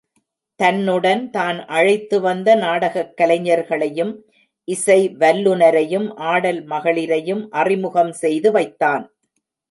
தன்னுடன் தான் அழைத்து வந்த நாடகக் கலைஞர் களையும், இசை வல்லுநரையும், ஆடல் மகளிரையும் அறிமுகம் செய்து வைத்தான்.